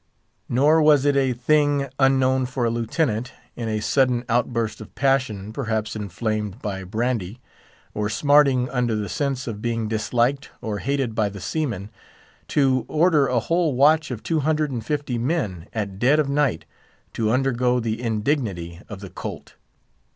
Nor was it a thing unknown for a Lieutenant, in a sudden outburst of passion, perhaps inflamed by brandy, or smarting under the sense of being disliked or hated by the seamen, to order a whole watch of two hundred and fifty men, at dead of night, to undergo the indignity of the "colt."